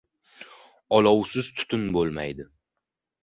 • Olovsiz tutun bo‘lmaydi.